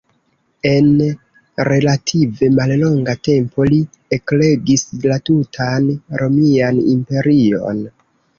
En relative mallonga tempo li ekregis la tutan Romian Imperion.